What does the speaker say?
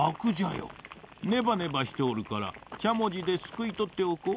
ねばねばしておるからしゃもじですくいとっておこう。